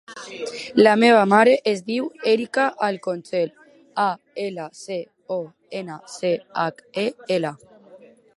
La meva mare es diu Erika Alconchel: a, ela, ce, o, ena, ce, hac, e, ela.